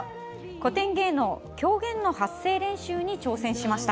古典芸能、狂言の発声練習に挑戦しました。